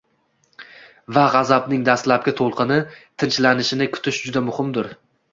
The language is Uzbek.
va g‘azabning dastlabki to‘lqini tinchlanishini kutish juda muhimdir.